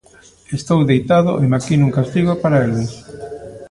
Estou deitado e maquino un castigo para eles.